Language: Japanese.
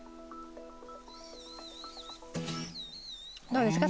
どうですか？